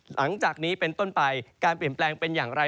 หลังจากนี้เป็นต้นไปการเปลี่ยนแปลงเป็นอย่างไร